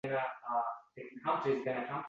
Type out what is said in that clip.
Boburning qurshovdan sog‘-omon chiqib ketadi.